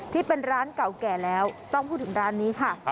ที่เป็นร้านเก่าแก่แล้วต้องพูดถึงร้านนี้ค่ะ